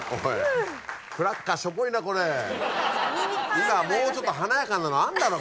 今もうちょっと華やかなのあんだろ